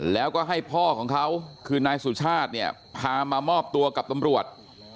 แล้วก็ให้พ่อของเขาคือนายสุชาติเนี่ยพามามอบตัวกับตำรวจ